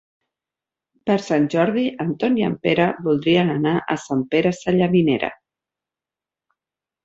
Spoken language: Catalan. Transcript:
Per Sant Jordi en Ton i en Pere voldrien anar a Sant Pere Sallavinera.